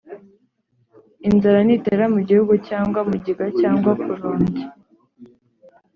inzara nitera mu gihugu cyangwa mugiga cyangwa kurumbya